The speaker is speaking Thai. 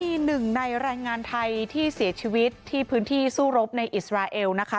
มีหนึ่งในแรงงานไทยที่เสียชีวิตที่พื้นที่สู้รบในอิสราเอลนะคะ